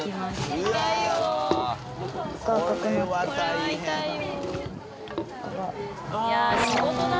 これは痛いよ。